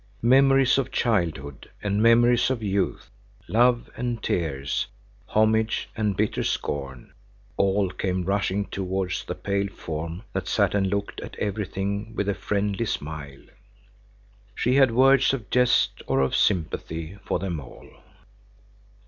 Memories of childhood and memories of youth, love and tears, homage and bitter scorn, all came rushing towards the pale form that sat and looked at everything with a friendly smile. She had words of jest or of sympathy for them all.